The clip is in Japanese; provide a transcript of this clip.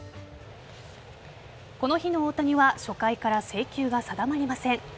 この日の大谷は初回から制球が定まりません。